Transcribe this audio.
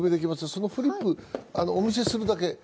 そのフリップ、お見せするだけ。